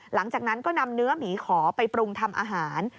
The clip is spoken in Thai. หลังจากนั้นก็นำเนื้อหมีขอไปปรุงทำอาหาร